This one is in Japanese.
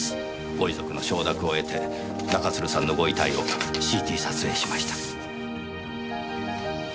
ご遺族の承諾を得て中津留さんのご遺体をＣＴ撮影しました。